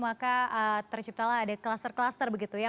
maka terciptalah ada cluster cluster begitu ya